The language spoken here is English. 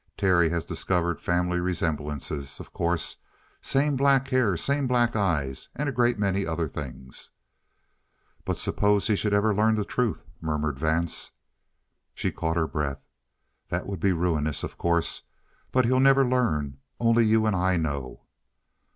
Terry has discovered family resemblances, of course same black hair, same black eyes, and a great many other things." "But suppose he should ever learn the truth?" murmured Vance. She caught her breath. "That would be ruinous, of course. But he'll never learn. Only you and I know."